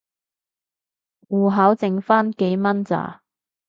戶口剩番幾蚊咋